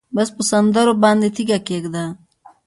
بس په سندرو باندې تیږه کېږده